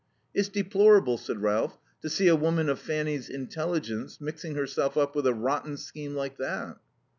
"It's deplorable," said Ralph, "to see a woman of Fanny's intelligence mixing herself up with a rotten scheme like that."